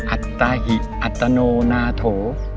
อัตตาหิอัตโนนาโถ